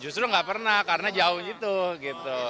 justru nggak pernah karena jauh gitu